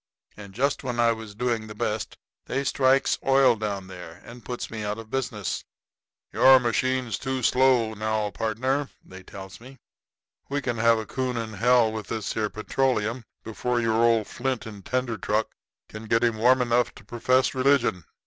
And just when I was doing the best they strikes oil down there and puts me out of business. 'Your machine's too slow, now, pardner,' they tells me. 'We can have a coon in hell with this here petroleum before your old flint and tinder truck can get him warm enough to perfess religion.'